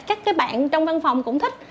các cái bạn trong văn phòng cũng thích